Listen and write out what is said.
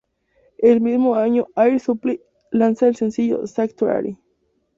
El mismo año Air Supply lanza el sencillo "Sanctuary".